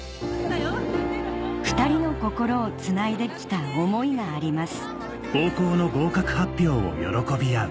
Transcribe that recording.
２人の心をつないできた思いがあります